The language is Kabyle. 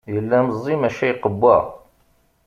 Yella meẓẓi maca iqewwa.